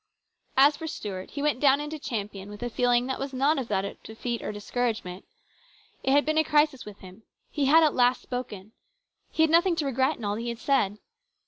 As for Stuart, he went down into Champion with a feeling which was not that of defeat or discourage ment It had been a crisis with him. He had at last spoken. He had nothing to regret in all he had said.